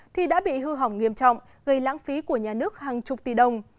thì đã bị hư hỏng nghiêm trọng gây lãng phí của nhà nước hàng chục tỷ đồng